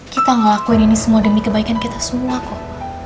kita ngelakuin ini semua demi kebaikan kita semua kok